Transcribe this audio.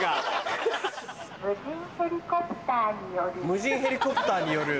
無人ヘリコプターによる。